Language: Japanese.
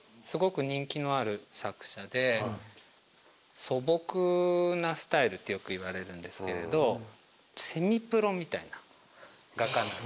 すごく人気のある作者で素朴なスタイルってよく言われるんですけれどセミプロみたいな画家。